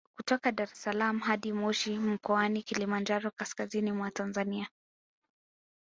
Kutoka Dar es salaam hadi Moshi mkoani Kilimanjaro kaskazini mwa Tanzania